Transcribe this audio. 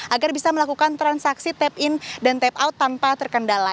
agar bisa melakukan transaksi tap in dan tap out tanpa terkendala